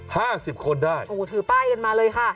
ค่ะ๕๐คนได้ถือป้ายกันมาเลยค่ะ